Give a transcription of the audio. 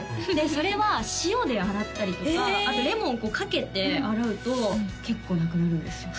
それは塩で洗ったりとかあとレモンをかけて洗うと結構なくなるんですよ